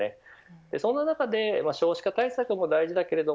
その中で少子化対策も大事だけれども